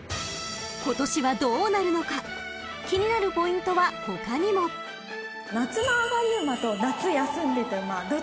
［今年はどうなるのか気になるポイントは他にも］夏の上がり馬と夏休んでいた馬どちらが強いんですかね？